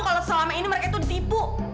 kalau selama ini mereka itu ditipu